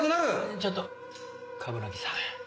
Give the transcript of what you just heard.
ちょっと鏑木さん。